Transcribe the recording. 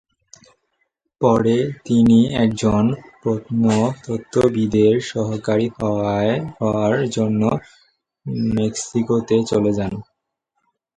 পরে তিনি একজন প্রত্নতত্ত্ববিদের সহকারী হওয়ার জন্য নিউ মেক্সিকোতে চলে যান।